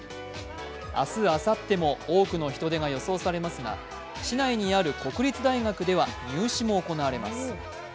明日、あさっても多くの人出が予想されますが市内にある国立大学では入試も行われます。